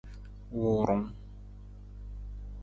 Wuurung.